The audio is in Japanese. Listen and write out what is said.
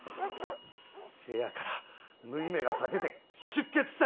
せやから縫い目が裂けて出血したんや！